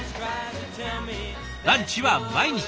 ランチは毎日。